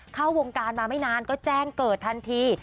เข้าวงการมาไม่นานก็แจ้งเกิดทันที